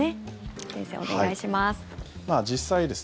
先生、お願いします。